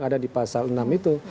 ada di pasal enam itu